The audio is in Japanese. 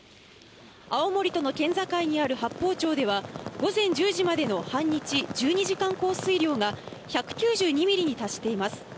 青森との県境にある八峰町では午前１０時までの半日、１２時間降水量が１９２ミリに達しています。